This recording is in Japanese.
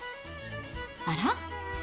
あら？